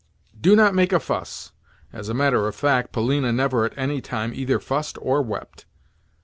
"Do not make a fuss" (as a matter of fact Polina never at any time either fussed or wept).